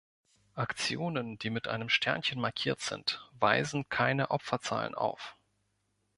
Aktionen, die mit einem Sternchen markiert sind, weisen keine Opferzahlen auf.